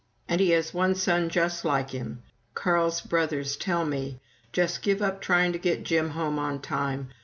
(And he has one son just like him. Carl's brothers tell me: "Just give up trying to get Jim home on time.